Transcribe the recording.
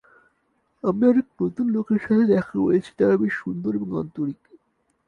আমি অনেক নতুন লোকের সাথে দেখা করেছি, তারা বেশ সুন্দর এবং আন্তরিক।